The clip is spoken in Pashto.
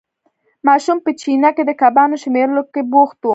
ماشوم په چینه کې د کبانو شمېرلو کې بوخت وو.